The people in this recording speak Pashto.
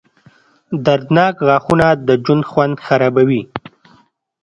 • دردناک غاښونه د ژوند خوند خرابوي.